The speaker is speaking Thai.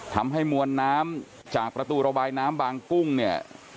ทำให้มวลน้ำจากประตูระบายน้ำบางกุ้งเนี่ย